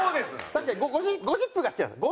確かにゴシップが好きなんです。